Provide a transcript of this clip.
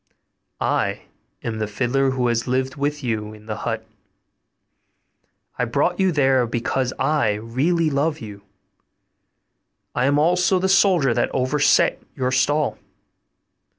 I am the fiddler who has lived with you in the hut. I brought you there because I really loved you. I am also the soldier that overset your stall.